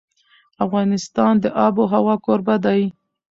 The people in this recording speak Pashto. افغانستان د آب وهوا کوربه دی.